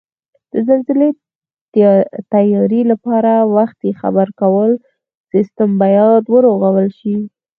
د زلزلې تیاري لپاره وختي خبرکولو سیستم بیاد ورغول شي